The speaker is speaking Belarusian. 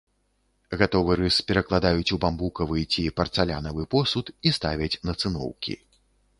Гатовы рыс перакладаюць у бамбукавы ці парцалянавы посуд і ставяць на цыноўкі.